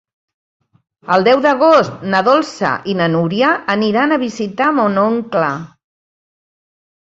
El deu d'agost na Dolça i na Núria aniran a visitar mon oncle.